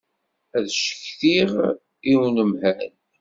Ad ccetkiɣ i unemhal.